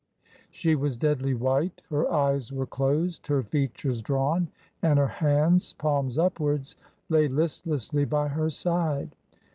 She was deadly white, her eyes were closed, her features drawn, and her hands, palms upwards, lay listlessly by her side.